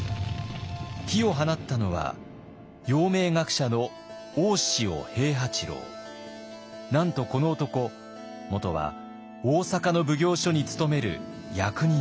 火を放ったのは陽明学者のなんとこの男元は大坂の奉行所に勤める役人でした。